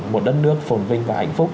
một đất nước phồn vinh và hạnh phúc